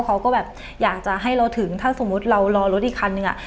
เขาก็แบบอยากจะให้เราถึงถ้าสมมุติเรารอรถอีกคันนึงอ่ะ